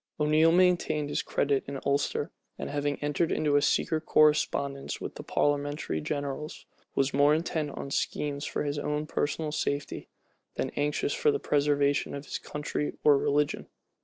O'Neal maintained his credit in Ulster; and having entered into a secret correspondence with the parliamentary generals, was more intent on schemes for his own personal safety, than anxious for the preservation of his country or religion.